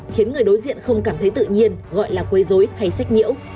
khiến người đối diện không cảm thấy tự nhiên gọi là quấy dối hay sách nhiễu